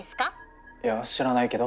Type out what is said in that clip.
いや知らないけど。